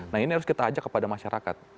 nah ini harus kita ajak kepada masyarakat